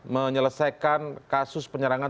menyelesaikan kasus penyerangan